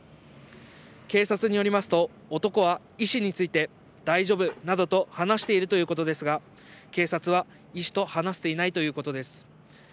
警察によりますと、男は医師について、大丈夫などと話しているということですが、警察は医師と話せていないということです。